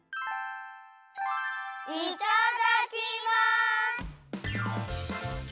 いただきます！